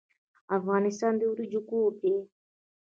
افغانستان د وریجو کور دی.